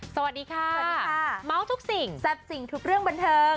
สวัสดีค่ะสวัสดีค่ะเมาส์ทุกสิ่งแซ่บจริงทุกเรื่องบันเทิง